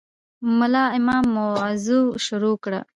ملا امام موعظه شروع کړه.